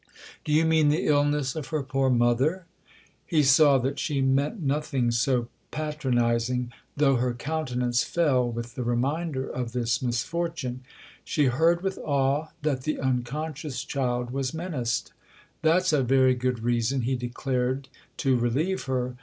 " Do you mean the illness of her poor mother ?" He saw that she meant nothing so patronising, though her countenance fell with the reminder of this misfortune : she heard with awe that the unconscious child was menaced. " That's a very good reason," he declared, to relieve her.